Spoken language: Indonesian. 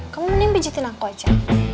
kamu mending pijetin aku aja